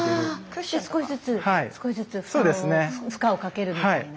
少しずつ少しずつ負荷をかけるみたいな。